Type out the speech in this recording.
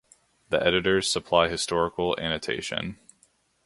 The editors supply historical annotation.